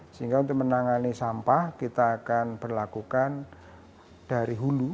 sehingga untuk menangani sampah kita akan berlakukan dari hulu